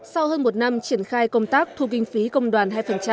sau hơn một năm triển khai công tác thu kinh phí công đoàn hai